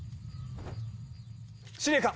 司令官！